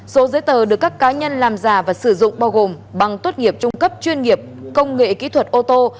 số giấy tờ được các cá nhân làm giả và sử dụng bao gồm bằng tốt nghiệp trung cấp chuyên nghiệp công nghệ kỹ thuật ô tô